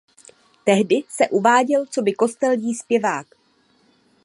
Tehdy se uváděl coby kostelní zpěvák.